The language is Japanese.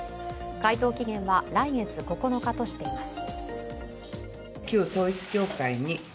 回答期限は来月９日としています。